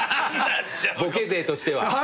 ボケ勢としては。